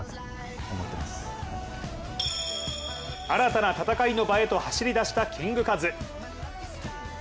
新たな戦いの場へと走り出したキングカズ。